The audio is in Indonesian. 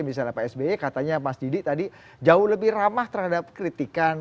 misalnya pak sby katanya mas didi tadi jauh lebih ramah terhadap kritikan